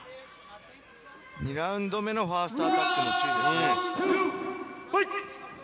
２ラウンド目のファーストアタックも注目。